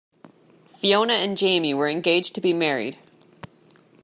Fiona and Jamie were engaged to be married.